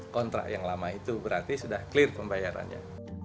kontrak yang lama itu berarti sudah clear pembayarannya